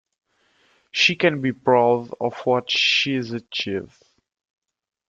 She can be proud of what she’s achieved